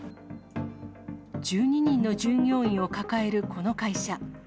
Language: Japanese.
１２人の従業員を抱えるこの会社。